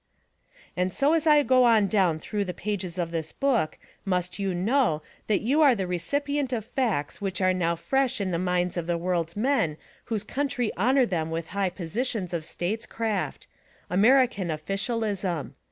And so as I go on down through the pages of this book must you know that you are the recipient of facts which are now fresh in the minds of the world's men whose country honor them with high positions of statescraft — American Officialism.